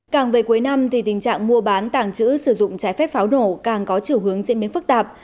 càng về cuối năm thì tình trạng mua bán tàng trữ sử dụng trái phép pháo nổ càng có chiều hướng diễn biến phức tạp